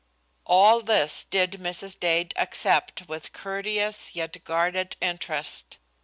All this did Mrs. Dade accept with courteous yet guarded interest.